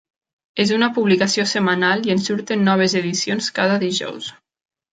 És una publicació setmanal i en surten noves edicions cada dijous.